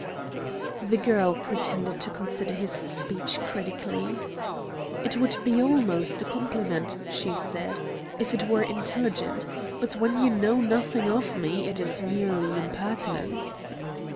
The girl pretended to consider his speech critically. "It would be almost a compliment," she said, "if it were intelligent, but when you know nothing of me it is merely impertinent."